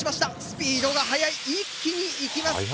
スピードが速い一気に行きます。